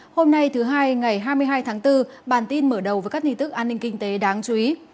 hôm nay thứ hai ngày hai mươi hai tháng bốn bản tin mở đầu với các tin tức an ninh kinh tế đáng chú ý